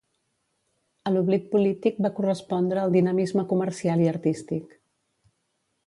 A l'oblit polític va correspondre el dinamisme comercial i artístic.